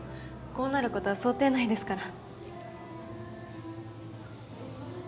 こうなることは想定内ですから。